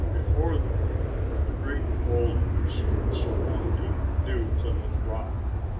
Before them were the great boulders surrounding New Plymouth Rock.